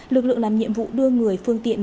lực lượng làm nhiệm vụ đưa người phương tiện